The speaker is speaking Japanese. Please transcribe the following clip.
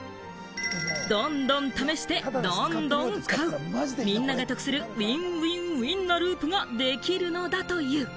どんどん試して、どんどん買う、みんながトクするｗｉｎ‐ｗｉｎ‐ｗｉｎなループができるのだという。